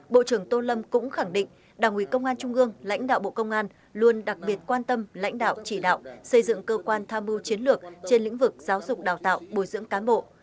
bộ trưởng tô lâm cũng khẳng định đảng ủy công an trung ương lãnh đạo bộ công an luôn đặc biệt quan tâm lãnh đạo chỉ đạo xây dựng cơ quan tham mưu chiến lược trên lĩnh vực giáo dục đào tạo bồi dưỡng cán bộ